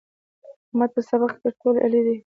احمد په سبق کې تر علي تېری کړی دی.